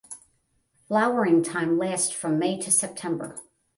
Flowering time lasts from May to September.